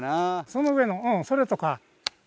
その上のそれとか。